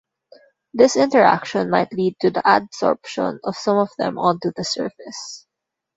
This interaction might lead to the adsorption of some of them onto the surface.